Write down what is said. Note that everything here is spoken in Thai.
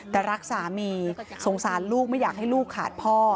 แต่รักสามีสงสารลูกไม่อยากให้ลูกขาดพ่อ